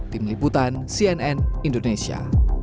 tim liputan cnn indonesia